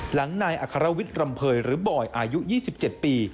หลังนายอัครวิทย์รำเภยหรือบอยอายุ๒๗ปี